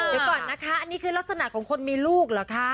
เดี๋ยวก่อนนะคะอันนี้คือลักษณะของคนมีลูกเหรอคะ